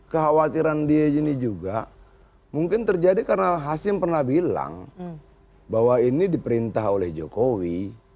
kekhawatiran dia ini juga mungkin terjadi karena hasim pernah bilang bahwa ini diperintah oleh jokowi